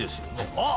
あっ！